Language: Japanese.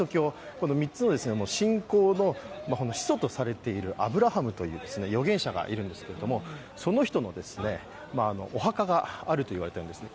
この３つの信仰の始祖とされているアブラハムという預言者がいるんですけど、その人のお墓があると言われているんですね。